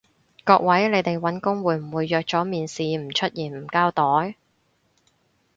各位，你哋搵工會唔會約咗面試唔出現唔交代？